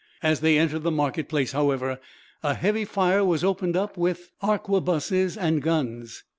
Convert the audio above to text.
As they entered the marketplace, however, a heavy fire was opened with arquebuses and guns.